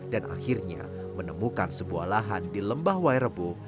dan akhirnya menemukan sebuah lahan di lembah wairebo